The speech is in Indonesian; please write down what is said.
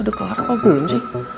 udah kelar apa belum sih